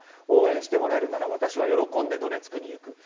応援してもらえるなら私は喜んでドネツクに行く。